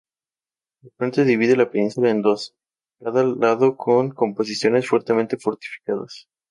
El frente divide la península en dos, cada lado con posiciones fuertemente fortificadas.